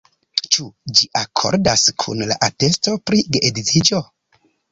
Ĉu ĝi akordas kun la atesto pri geedziĝo?